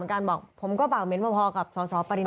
ไม่อยากให้เลือกคือประทักษมณ์คือต่างฝ่ายต่างส่วนกันไม่จบ